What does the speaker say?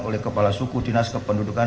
oleh kepala suku dinas kependudukan